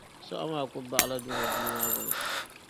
Sɔɣu maa kuli baɣila duuno bia maa gbini.